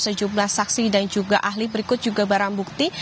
sejumlah saksi dan juga ahli berikut juga barang bukti